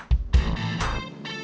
masa damai mas